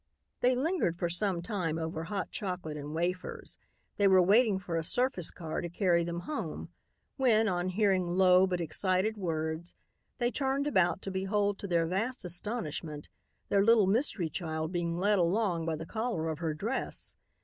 They lingered for some time over hot chocolate and wafers. They were waiting for a surface car to carry them home when, on hearing low but excited words, they turned about to behold to their vast astonishment their little mystery child being led along by the collar of her dress.